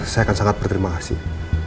saya akan sangat berterima kasih